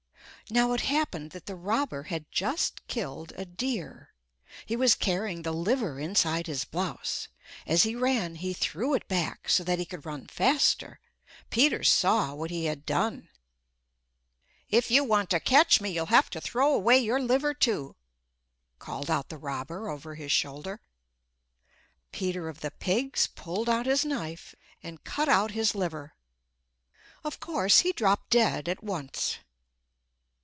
Now it happened that the robber had just killed a deer. He was carrying the liver inside his blouse. As he ran he threw it back so that he could run faster. Peter saw what he had done. "If you want to catch me, you'll have to throw away your liver, too," called out the robber over his shoulder. Peter of the pigs pulled out his knife and cut out his liver. Of course he dropped dead at once.